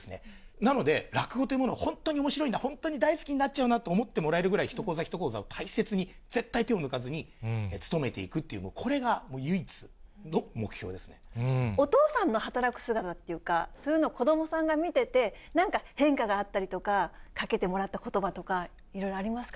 なので、落語というものは本当におもしろいんだ、本当に大好きになっちゃうなと思ってもらえるぐらい、一高座一高座を大切に、絶対手を抜かずにつとめていくっていう、お父さんの働く姿っていうか、そういうの、子どもさんが見てて、なんか、変化があったりだとか、かけてもらったことばとか、いろいろありますか。